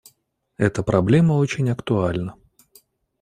Эта проблема очень актуальна.